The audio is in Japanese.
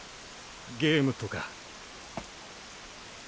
ゲームとか。